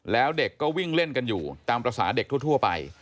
แล้วเด็กก็วิ่งเล่นกันอยู่ตามภาษาเด็กทั่วไป